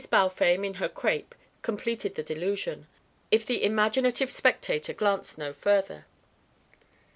Balfame in her crêpe completed the delusion if the imaginative spectator glanced no further.